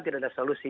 tidak ada solusi